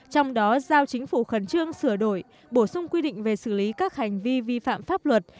trong đó giao chính phủ khẩn trương sửa đổi bổ sung quy định về xử lý các hành vi vi phạm pháp luật